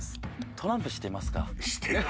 トランプ知ってますか？